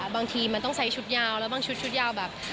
บางทีมันต้องใช้ชุดยาวแล้วบางชุดชุดยาวแบบ